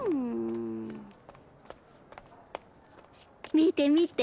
見て見て。